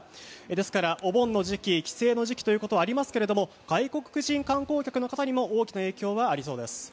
ですからお盆の時期帰省の時期ということもありますが外国人観光客の方にも大きな影響がありそうです。